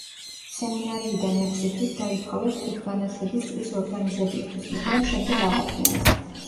სემინარიიდან ექვსი თვით დაითხოვეს თვითგანათლების წრის ორგანიზებისთვის მაგრამ შემდეგ აღადგინეს.